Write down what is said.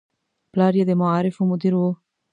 پلار یې د معارفو مدیر و.